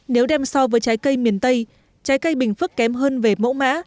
nếu đem so với trái cây miền tây trái cây bình phước kém hơn về mẫu mã